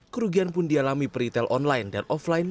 kerugian pun dialami peritel online dan offline